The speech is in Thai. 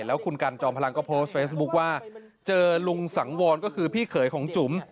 แล้วคุณกันจอมพลังก็โพสต์เฟซบุ๊คว่าเจอลุงสังวรก็คือพี่เขยของจุ๋ม